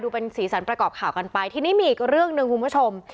เป็นสีสันประกอบข่าวกันไปทีนี้มีอีกเรื่องหนึ่งคุณผู้ชม